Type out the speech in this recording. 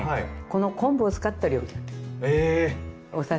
この昆布を使った料理なんです。